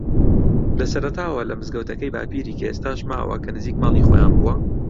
لە سەرەتاوە لە مزگەوتەکەی باپیری کە ئێستاش ماوە کە نزیک ماڵی خۆیان بووە